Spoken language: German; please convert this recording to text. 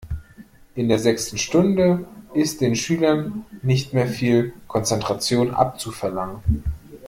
In der sechsten Stunde ist den Schülern nicht mehr viel Konzentration abzuverlangen.